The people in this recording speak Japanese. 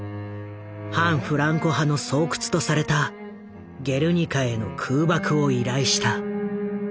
反フランコ派の巣窟とされたゲルニカへの空爆を依頼した。